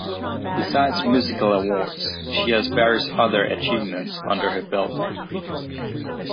Besides musical awards, she has various other achievements under her belt.